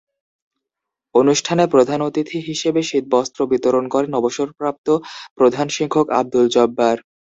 অনুষ্ঠানে প্রধান অতিথি হিসেবে শীতবস্ত্র বিতরণ করেন অবসরপ্রাপ্ত প্রধান শিক্ষক আবদুল জব্বার।